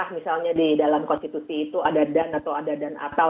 misalnya di dalam konstitusi itu ada dan atau ada dan atau